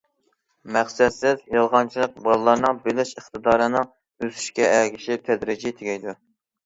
مەقسەتسىز يالغانچىلىق بالىلارنىڭ بىلىش ئىقتىدارىنىڭ ئۆسۈشىگە ئەگىشىپ تەدرىجىي تۈگەيدۇ.